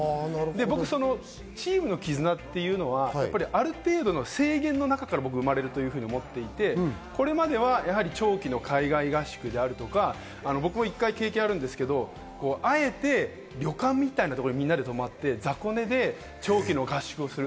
そのチームの絆というのは、ある程度の制限の中から生まれると思っていて、これまでは長期の海外合宿や僕も一回経験あるんですが、あえて旅館みたいなところに泊まって、雑魚寝で長期の合宿をする。